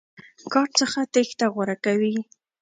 کار څخه تېښته غوره کوي.